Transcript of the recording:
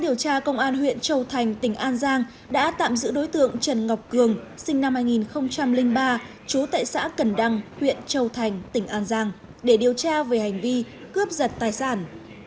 vũ đã tạm giữ đối tượng trần ngọc cường sinh năm hai nghìn ba chú tại xã cần đăng huyện châu thành tỉnh an giang để điều tra về hành vi cướp giật tài sản